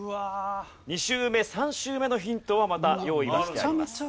２周目３周目のヒントはまた用意がしてあります。